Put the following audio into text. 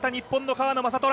川野将虎。